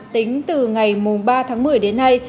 tính từ ngày ba tháng một mươi đến nay